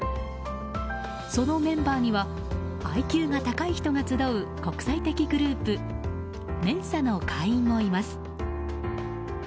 そのメンバーにはＩＱが高い人が集う国際的グループＭＥＮＳＡの会員もいます。